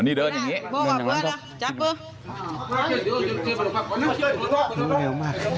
อ่านี่เดินอย่างเงี้ย